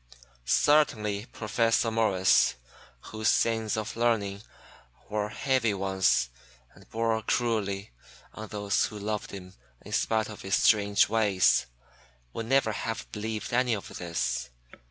Certainly Professor Morris, whose sins of learning were heavy ones and bore cruelly on those who loved him in spite of his strange ways, would never have believed any of this.